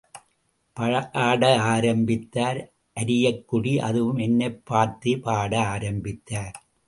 பாட ஆரம்பித்தார் அரியக்குடி அதுவும் என்னைப் பார்த்தே பாட ஆரம்பித்தார்.